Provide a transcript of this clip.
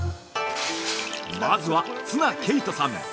まずは、綱啓永さん。